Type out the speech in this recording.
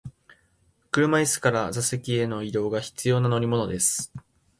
車椅子から座席への移動が必要な乗り物です。